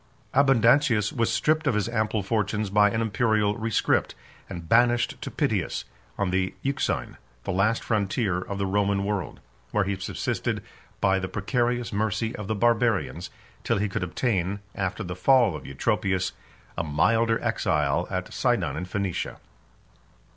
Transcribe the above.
Abundantius was stripped of his ample fortunes by an Imperial rescript, and banished to Pityus, on the Euxine, the last frontier of the Roman world; where he subsisted by the precarious mercy of the Barbarians, till he could obtain, after the fall of Eutropius, a milder exile at Sidon, in Phoenicia.